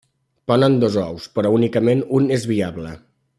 Ponen dos ous, però únicament un és viable.